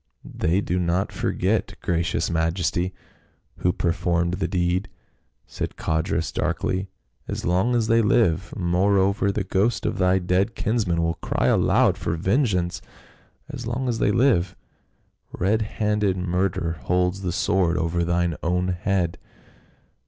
" They do not forget, gracious majesty, who per formed the deed," said Codrus darkly, " as long as they live moreover, the ghost of thy dead kinsman will cry aloud for vengeance ! as long as they live, red handed murder holds the sword over thine own head."